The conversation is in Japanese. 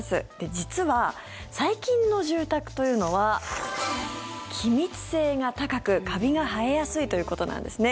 実は、最近の住宅というのは気密性が高くカビが生えやすいということなんですね。